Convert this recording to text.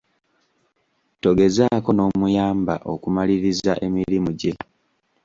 Togezaako n'omuyamba okumaliriza emirimu gye.